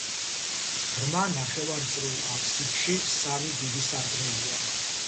ღრმა ნახევარწრიულ აფსიდში სამი დიდი სარკმელია.